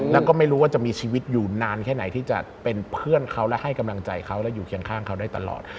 แล้วก็ไม่รู้ว่าจะมีชีวิตอยู่นานแค่ไหนที่จะเป็นเพื่อนเขาและให้กำลังใจเขาและอยู่เคียงข้างเขาได้ตลอด